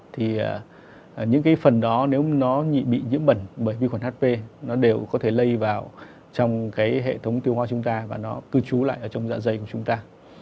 thì những phần đó nếu bị nhiễm bệnh bởi vi khuẩn hp nó đều có thể lây vào trong hệ thống tiêu hoa chúng ta và nó cứ trú lại trong dạ dày của chúng ta